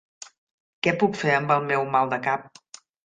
Què puc fer amb el meu mal de cap?